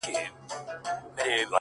راته ستا حال راكوي ـ